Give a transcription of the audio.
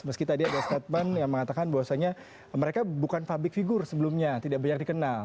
meski tadi ada statement yang mengatakan bahwasanya mereka bukan public figure sebelumnya tidak banyak dikenal